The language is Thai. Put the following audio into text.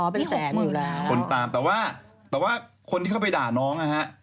เป็นแสนอยู่แล้วคนตามแต่ว่าแต่ว่าคนที่เข้าไปด่าน้องนะฮะ